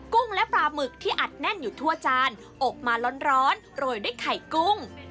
กุ้งและปลาหมึกที่อัดแน่นอยู่ทั่วจานอกมาร้อนโรยด้วยไข่กุ้ง